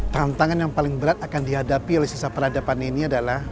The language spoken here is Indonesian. tantangan yang paling berat akan dihadapi oleh sisa peradaban ini adalah